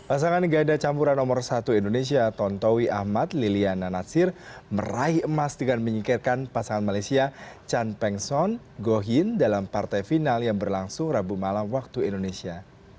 pasangan ganda campuran nomor satu indonesia tontowi ahmad liliana natsir meraih emas dengan menyikirkan pasangan malaysia chan peng son gohin dalam partai final yang berlangsung rabu malam waktu indonesia